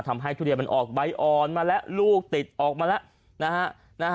ทำให้ทุเรียนมันออกใบอ่อนมาแล้วลูกติดออกมาแล้ว